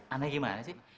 aneh gimana sih